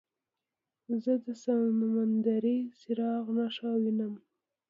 زه د سمندري څراغ نښه وینم.